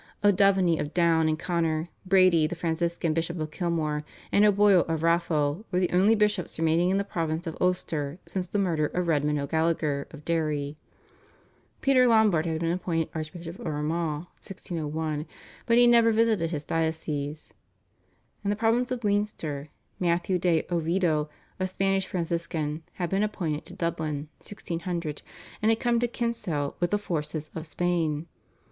O'Devany of Down and Connor, Brady the Franciscan Bishop of Kilmore, and O'Boyle of Raphoe were the only bishops remaining in the province of Ulster since the murder of Redmond O'Gallagher of Derry. Peter Lombard had been appointed Archbishop of Armagh (1601), but he never visited his diocese. In the province of Leinster Matthew de Oviedo, a Spanish Franciscan, had been appointed to Dublin (1600), and had come to Kinsale with the forces of Spain.